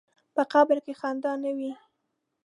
په قبر کې خندا نه وي.